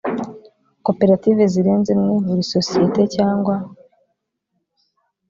koperative zirenze imwe buri sosiyete cyangwa